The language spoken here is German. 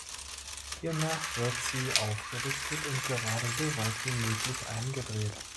Hiernach wird sie aufgerichtet und gerade so weit wie möglich eingedreht.